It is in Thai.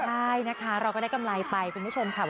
ใช่นะคะเราก็ได้กำไรไปคุณผู้ชมค่ะ